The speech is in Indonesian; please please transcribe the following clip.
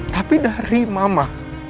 tapi dari mama